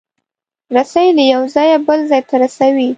رسۍ له یو ځایه بل ځای ته رسوي.